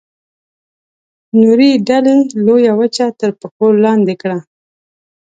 نورې ډلې لویه وچه تر پښو لاندې کړه.